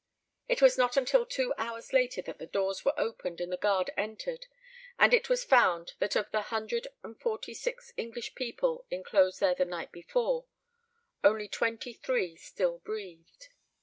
It was not until two hours later that the doors were opened and the guard entered, and it was found that of the hundred and forty six English people inclosed there the night before, only twenty three still breathed.